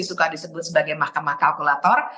suka disebut sebagai mahkamah kalkulator